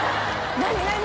何？